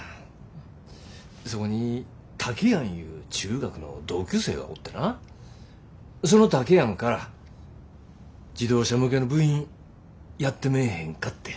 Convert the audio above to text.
そこに竹やんいう中学の同級生がおってなその竹やんから自動車向けの部品やってめぇへんかて。